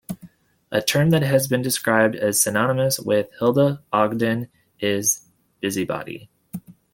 A term that has been described as synonymous with Hilda Ogden is "busybody".